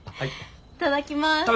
いただきます。